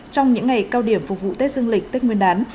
trong những ngày cao điểm phục vụ tết dương lịch tết nguyên đán